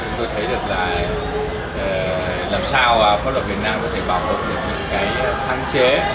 tôi thấy được là làm sao pháp luật việt nam có thể bảo vệ những sáng chế